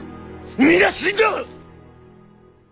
皆死んだわ！